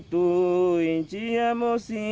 sehingga kita bisa melakukan peradaban yang baik